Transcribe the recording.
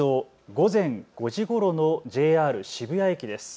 午前５時ごろのＪＲ渋谷駅です。